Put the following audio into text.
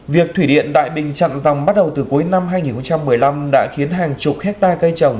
việc thủy điện đại bình chặn dòng bắt đầu từ cuối năm hai nghìn một mươi năm đã khiến hàng chục hectare cây trồng